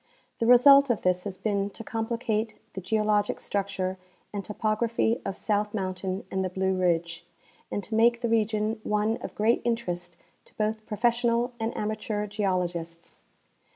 The result of this has been to complicate the geologic structure and topography of South mountain and the Blue ridge, and to make the region one of great interest to both professional and amateur geolo gists.